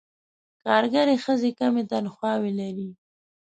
کارګرې ښځې کمې تنخواوې لري.